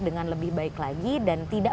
dengan lebih baik lagi dan tidak